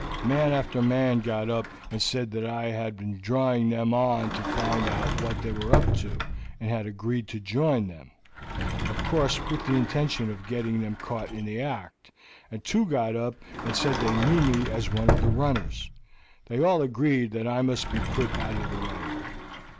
Man after man got up and said that I had been drawing them on to find out what they were up to, and had agreed to join them, of course with the intention of getting them caught in the act, and two got up and said that they knew me as one of the runners. They all agreed that I must be put out of the way.